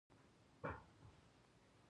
ښځې لاس را کړ او جګه شوه.